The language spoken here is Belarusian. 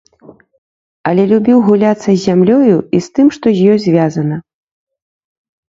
Але любіў гуляцца з зямлёю, і з тым, што з ёй звязана.